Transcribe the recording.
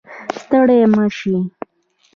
ستړی مه شې